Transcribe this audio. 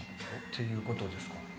ていうことですか。